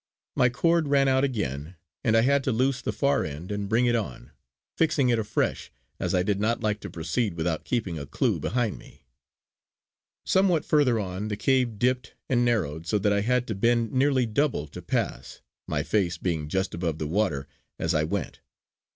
My cord ran out again and I had to lose the far end and bring it on, fixing it afresh, as I did not like to proceed without keeping a clue behind me. Somewhat further on, the cave dipped and narrowed so that I had to bend nearly double to pass, my face being just above the water as I went.